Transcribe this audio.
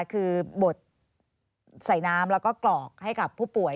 คือบดใส่น้ำแล้วก็กรอกให้กับผู้ป่วย